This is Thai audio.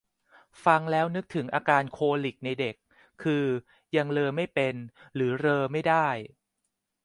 ฟังแล้วนึกถึงอาการโคลิคในเด็ก คือยังเรอไม่เป็นหรือเรอไม่ได้